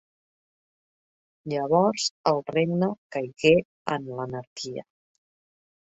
Llavors el regne caigué en l'anarquia.